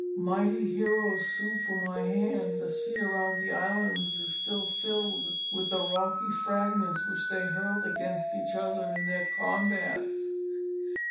Mighty heroes sued for my hand; the sea around that island is still filled with the rocky fragments which they hurled against each other in their combats.